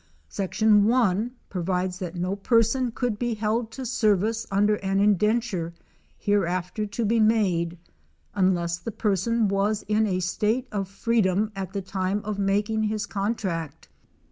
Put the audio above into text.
Section 1 provides that no person could be held to service under an indenture hereafter to be made, unless the person was in a state of freedom at the time of making his contract.